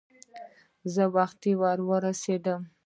زه وختي ور ورسېدم.